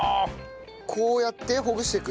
こうやってほぐしていく？